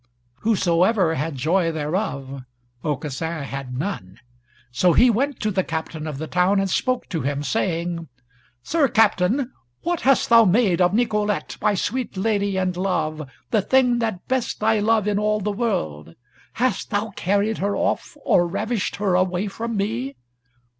Whosoever had joy thereof, Aucassin had none, so he went to the Captain of the town and spoke to him, saying: "Sir Captain, what hast thou made of Nicolete, my sweet lady and love, the thing that best I love in all the world? Hast thou carried her off or ravished her away from me?